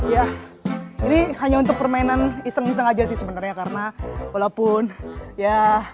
ya ini hanya untuk permainan iseng iseng aja sih sebenarnya karena walaupun ya